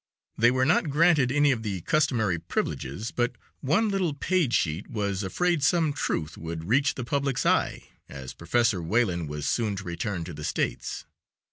They were not granted any of the customary privileges, but one little paid sheet was afraid some truth would reach the public's eye, as Professor Wayland was soon to return to the States.